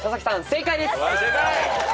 正解です！